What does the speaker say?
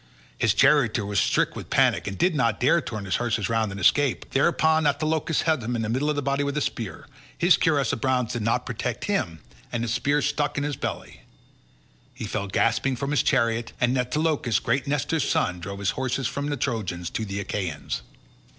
His charioteer was struck with panic and did not dare turn his horses round and escape: thereupon Antilochus hit him in the middle of his body with a spear; his cuirass of bronze did not protect him, and the spear stuck in his belly. He fell gasping from his chariot and Antilochus, great Nestor's son, drove his horses from the Trojans to the Achaeans.